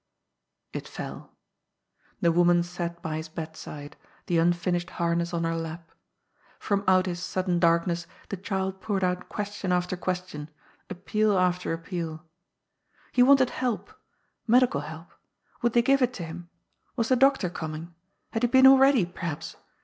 It fell. The woman sat by his bedside, the unfinished harness on her lap. From out his sudden darkness the child poured out question after question, appeal after appeal. He wanted help — ^medical help ; would they give it to him ? Was the doctor coming? Had he been already, perhaps?